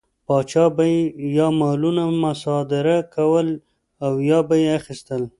پاچا به یې یا مالونه مصادره کول او یا به یې اخیستل.